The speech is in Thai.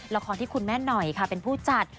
ละครที่คุณแม่หน่อยค่ะเป็นผู้จัด